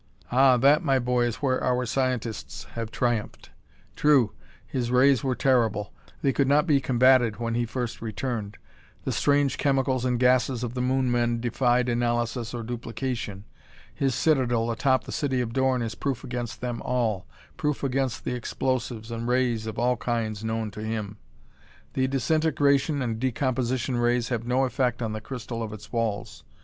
"Ah! That, my boy, is where our scientists have triumphed. True, his rays were terrible. They could not be combatted when he first returned. The strange chemicals and gases of the Moon men defied analysis or duplication. His citadel atop the city of Dorn is proof against them all; proof against explosives and rays of all kinds known to him. The disintegration and decomposition rays have no effect on the crystal of its walls.